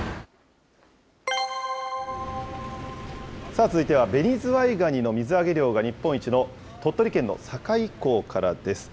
さあ続いては、ベニズワイガニの水揚げ量が日本一の鳥取県の堺港からです。